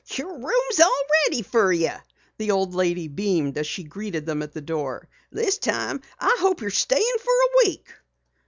"Your room's all ready fer you," the old lady beamed as she greeted them at the door. "This time I hope you're stayin' fer a week."